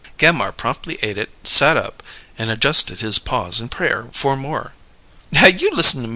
Gammire promptly ate it, "sat up" and adjusted his paws in prayer for more. "Now you listen me!"